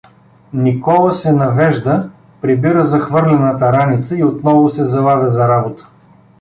Никола се навежда, прибира захвърлената раница и отново се залавя за работа.